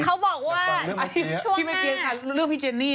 เขาบอกว่าช่วงหน้าพี่แม่แกนค่ะเรื่องพี่เจนี่